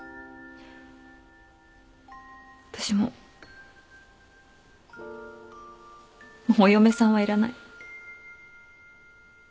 私ももうお嫁さんはいらない。